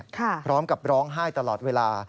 พร้อมกับร้องไห้ตลอดเวลา